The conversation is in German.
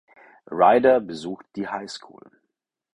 Ryder besucht die High School.